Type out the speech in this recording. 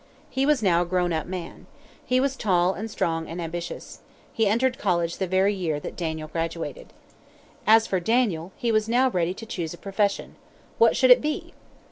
He was now a grown up man. He was tall and strong and ambitious. He entered college the very year that Daniel graduated. As for Daniel, he was now ready to choose a profession. What should it be?